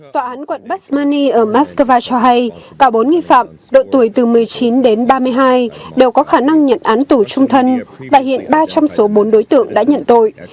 tòa án quận basmani ở moscow cho hay cả bốn nghi phạm độ tuổi từ một mươi chín đến ba mươi hai đều có khả năng nhận án tù trung thân và hiện ba trong số bốn đối tượng đã nhận tội